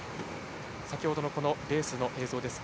先ほどのレースの映像ですが。